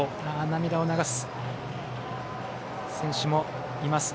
涙を流す選手もいます。